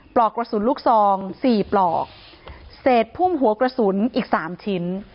ปลอกกระสุนลูกซองสี่ปลอกเศษพุ่มหัวกระสุนอีกสามชิ้น